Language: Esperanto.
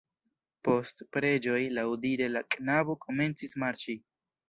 Post preĝoj, laŭdire la knabo komencis marŝi.